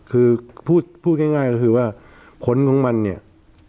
คือพูดง่ายก็คือว่าผลของมันเนี่ย